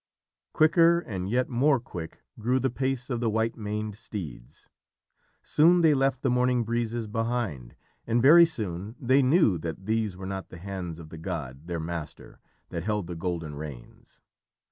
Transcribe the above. Quicker and yet more quick grew the pace of the white maned steeds. Soon they left the morning breezes behind, and very soon they knew that these were not the hands of the god, their master, that held the golden reins.